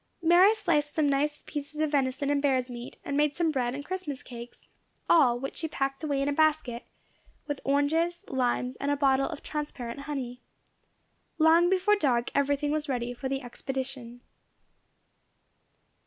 Mary sliced some nice pieces of venison and bear's meat, and made some bread and Christmas cakes; all, which she packed away in a basket, with oranges, limes, and a bottle of transparent honey. Long before dark everything was ready for the expedition.